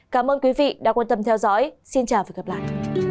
cảm ơn quý vị đã quan tâm theo dõi xin chào và hẹn gặp lại